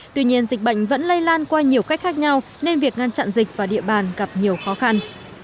tuy nhiên dịch bệnh vẫn lây lan qua nhiều cách khác nhau nên việc ngăn chặn dịch và địa bàn gặp nhiều khó khăn